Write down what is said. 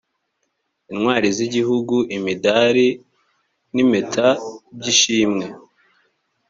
intwari z igihugu imidari n impeta by ishimwe